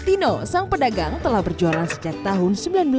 tino sang pedagang telah berjualan sejak tahun seribu sembilan ratus sembilan puluh